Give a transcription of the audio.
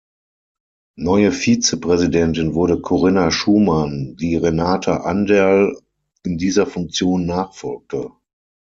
Neue Vizepräsidentin wurde Korinna Schumann, die Renate Anderl in dieser Funktion nachfolgte.